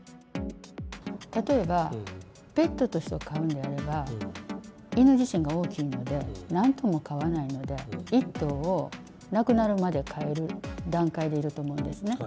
例えばペットとして飼うんであれば、犬自身が大きいので、何頭も飼わないので、１頭を亡くなるまで飼う段階でいると思うんですね。